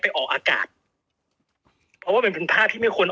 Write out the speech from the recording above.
ออกอากาศเพราะว่ามันเป็นภาพที่ไม่ควร